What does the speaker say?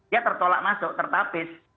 dia tertolak masuk tertapis